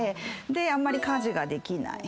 であんまり家事ができない。